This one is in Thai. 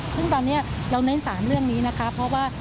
ซึ่งตอนนี้เราเน้น๓เรื่องนี้นะคะเพราะว่า